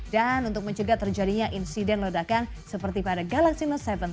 dan untuk mencegah terjadinya insiden ledakan seperti pada galaxy note tujuh tahunan